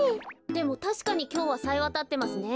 でもたしかにきょうはさえわたってますね。